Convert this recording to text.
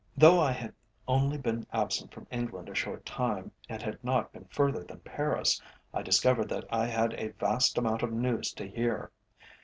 Though I had only been absent from England a short time, and had not been further than Paris, I discovered that I had a vast amount of news to hear.